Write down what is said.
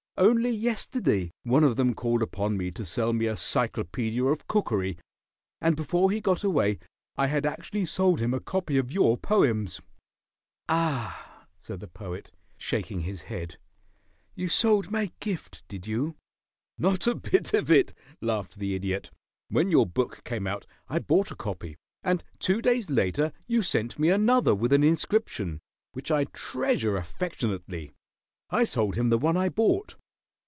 Only yesterday one of them called upon me to sell me a Cyclopedia of Cookery, and before he got away I had actually sold him a copy of your poems." "Ah," said the Poet, shaking his head. "You sold my gift, did you?" "Not a bit of it," laughed the Idiot. "When your book came out I bought a copy, and two days later you sent me another with an inscription, which I treasure affectionately. I sold him the one I bought."